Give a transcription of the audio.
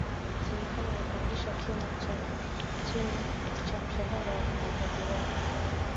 Serikali yapandisha kimo cha chini cha mshahara wa wafanyakazi wake